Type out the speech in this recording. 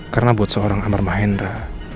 karena buat seorang amar mahendra